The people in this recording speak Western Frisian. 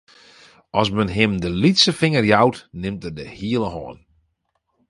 As men him de lytse finger jout, nimt er de hiele hân.